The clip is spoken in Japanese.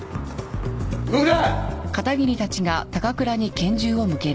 動くな！